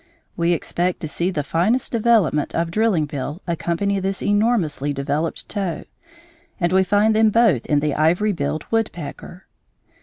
We expect to see the finest development of drilling bill accompany this enormously developed toe, and we find them both in the ivory billed woodpecker.